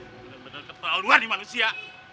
bener bener keterlaluan nih manusia